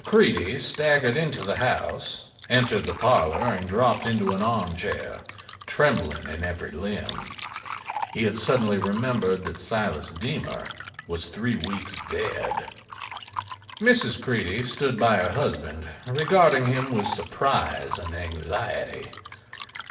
Creede staggered into the house, entered the parlor and dropped into an armchair, trembling in every limb. He had suddenly remembered that Silas Deemer was three weeks dead. Mrs. Creede stood by her husband, regarding him with surprise and anxiety.